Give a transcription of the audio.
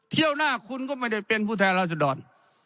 เที่ยวหน้าคุณก็ไม่ได้เป็นผู้แทนราษดร